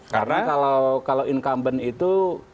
karena kalau incumbent itu